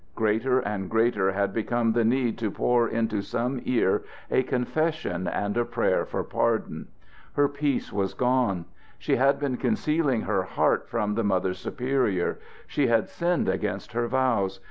Greater and greater had become the need to pour into some ear a confession and a prayer for pardon. Her peace was gone. She had been concealing her heart from the Mother Superior. She had sinned against her vows.